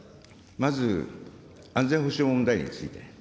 まず、安全保障問題について。